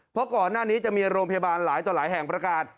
เพราะก่อนหน้านี้จะมีโรงพยาบาลหลายต่อหลายแห่งประกาศ